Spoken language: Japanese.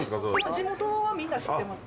地元はみんな知ってます。